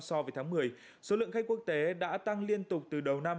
so với tháng một mươi số lượng khách quốc tế đã tăng liên tục từ đầu năm